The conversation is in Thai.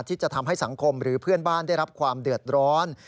ที่จะทำให้สังคมหรือเพื่อนบ้านได้รับความเดือดร้อน